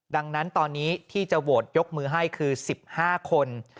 ดังนั้นตอนนี้ที่จะโหวตยกมือให้คือ๑๕คน